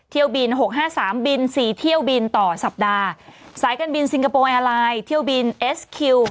เที่ยวบินหกห้าสามบินสี่เที่ยวบินต่อสัปดาห์สายการบินซิงคโปร์แอร์ไลน์เที่ยวบินเอสคิว